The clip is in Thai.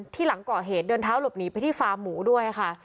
ที่หลังเกาะเหตุเดินเท้าหลบหนีไปที่ฟ้าหมูด้วยค่ะ